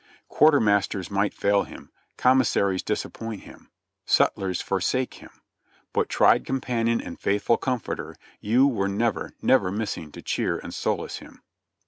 Quartermasters might fail him, commissaries disappoint him, sutlers forsake him — but tried companion and faithful comforter, you were never, never missing to cheer and solace him.